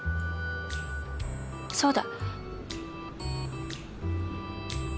そうだ！